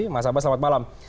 mas abbas selamat malam